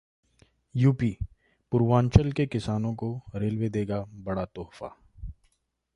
UP: Purvanchal के किसानों को रेलवे देगा 'बड़ा तोहफा'